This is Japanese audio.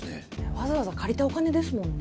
わざわざ借りたお金ですもんね